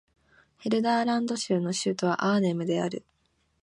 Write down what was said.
ヘルダーラント州の州都はアーネムである